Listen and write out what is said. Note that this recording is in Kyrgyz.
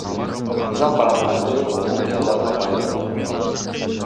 Узап бараткан жыл окуяларга бай болду.